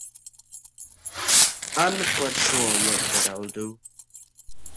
I'm not quite sure yet what I'll do.